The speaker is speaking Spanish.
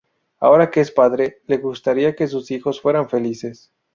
Ahora que es padre, le gustaría que sus hijos fueran felices.